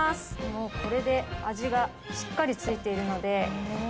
もうこれで味がしっかり付いているので。